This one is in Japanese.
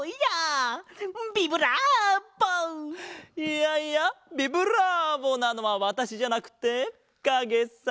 いやいやビブラーボなのはわたしじゃなくってかげさ。